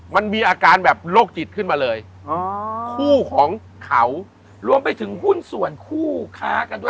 มันมีอาการแบบโรคจิตขึ้นมาเลยอ๋อคู่ของเขารวมไปถึงหุ้นส่วนคู่ค้ากันด้วย